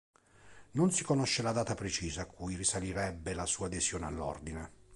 Non si conosce la data precisa a cui risalirebbe la sua adesione all'ordine.